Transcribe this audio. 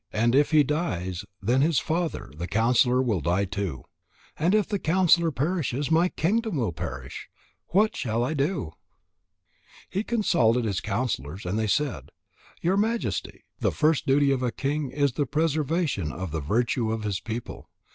And if he dies, then his father, the counsellor, will die too. And if the counsellor perishes, my kingdom will perish. What shall I do?" He consulted his counsellors, and they said: "Your Majesty, the first duty of a king is the preservation of the virtue of his people.